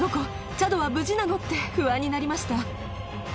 チャドは無事なの？って不安になりました。